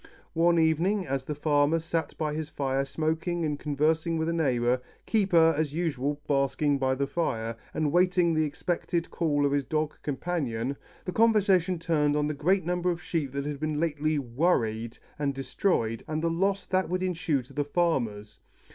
One evening as the farmer sat by his fire smoking and conversing with a neighbor, Keeper as usual basking by the fire, and waiting the expected call of his dog companion, the conversation turned on the great number of sheep that had been lately "worried" and destroyed, and the loss that would ensue to the farmers.